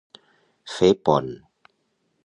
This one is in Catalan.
Fer pont.